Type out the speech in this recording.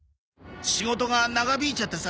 仕事が長引いちゃってさ